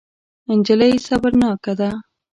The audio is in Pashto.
نجلۍ صبرناکه ده.